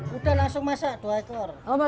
sudah langsung masak dua ekor